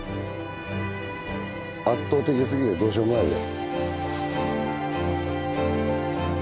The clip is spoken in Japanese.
圧倒的すぎてどうしようもないで。